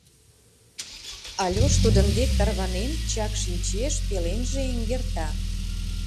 Альош тудын дек, тарванен, чак шинчеш, пеленже эҥерта.